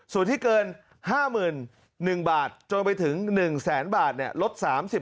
ส่วนที่เกิน๕๑บาทจนไปถึง๑แสนบาทลด๓๐